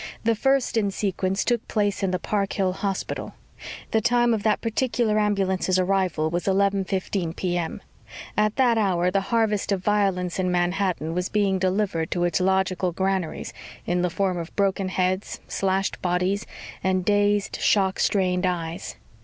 The first in sequence took place in the Park Hill Hospital. The time of that particular ambulance's arrival was 11:15 P.M. At that hour the harvest of violence in Manhattan was being delivered to its logical granaries in the form of broken heads, slashed bodies, and dazed, shock strained eyes.